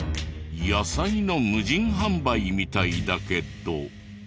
野菜の無人販売みたいだけど。